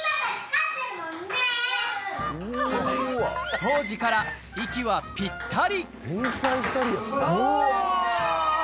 当時から息はぴったり。